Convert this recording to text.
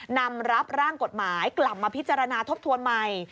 นำรับร่างกฎหมายกลับมาพิจารณาทบทวนใหม่